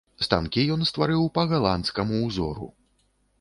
Станкі ён стварыў па галандскаму ўзору.